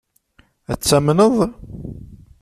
Ad t-tamneḍ?